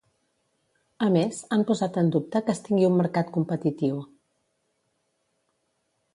A més, han posat en dubte que es tingui un mercat competitiu.